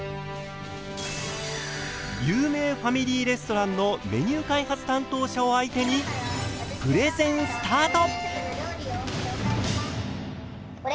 有名ファミリーレストランのメニュー開発担当者を相手にプレゼンスタート！